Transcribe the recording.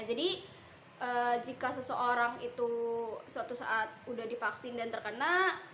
jadi jika seseorang itu suatu saat sudah divaksin dan terkena